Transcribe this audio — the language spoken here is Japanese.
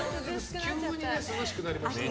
急に涼しくなりましたから。